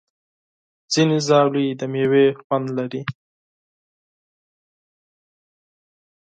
ځینې ژاولې د میوې خوند لري.